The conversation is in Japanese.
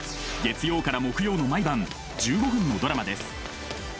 月曜から木曜の毎晩１５分のドラマです。